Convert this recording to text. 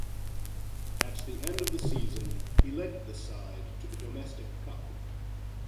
At the end of the season he led the side to the Domestic Cup.